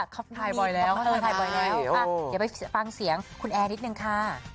เขาถ่ายบ่อยแล้วเขาถ่ายบ่อยแล้วเดี๋ยวไปฟังเสียงคุณแอร์นิดนึงค่ะ